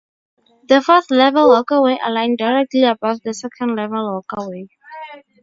The fourth level walkway aligned directly above the second level walkway.